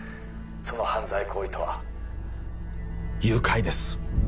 その犯罪行為とは誘拐です